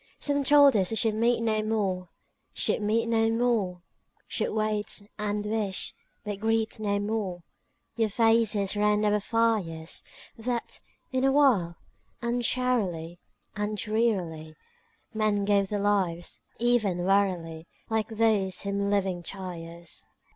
III Some told us we should meet no more, Should meet no more; Should wait, and wish, but greet no more Your faces round our fires; That, in a while, uncharily And drearily Men gave their lives—even wearily, Like those whom living tires.